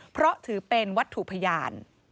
เพราะถือเป็นวัตถุพยาน